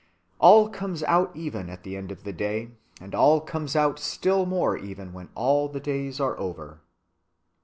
All comes out even at the end of the day, and all comes out still more even when all the days are over."